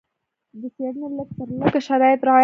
د څېړنې لږ تر لږه شرایط رعایت شول.